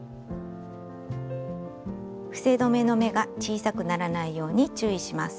伏せ止めの目が小さくならないように注意します。